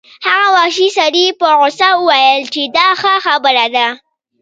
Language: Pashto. هغه وحشي سړي په غوسه وویل چې دا ښه خبره ده